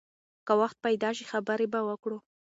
که وخت پیدا شي، خبرې به وکړو.